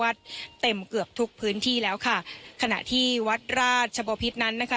เต็มเกือบทุกพื้นที่แล้วค่ะขณะที่วัดราชบพิษนั้นนะคะ